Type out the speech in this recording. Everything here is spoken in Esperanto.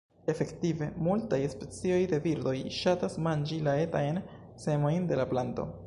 Efektive, multaj specioj de birdoj ŝatas manĝi la etajn semojn de la planto.